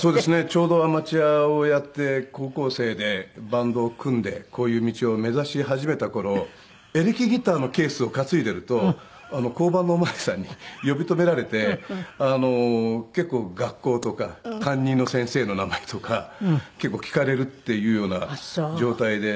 ちょうどアマチュアをやって高校生でバンドを組んでこういう道を目指し始めた頃エレキギターのケースを担いでいると交番のお巡りさんに呼び止められて結構学校とか担任の先生の名前とか聞かれるっていうような状態で。